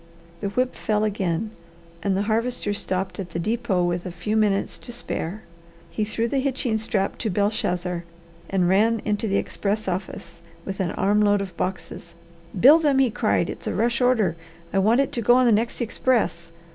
The whip fell again and the Harvester stopped at the depot with a few minutes to spare. He threw the hitching strap to Belshazzar, and ran into the express office with an arm load of boxes. "Bill them!" he cried. "It's a rush order. I want it to go on the next express.